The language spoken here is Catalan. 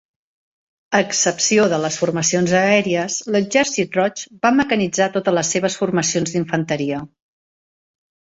A excepció de les formacions aèries, l'Exèrcit Roig va mecanitzar totes les seves formacions d'infanteria.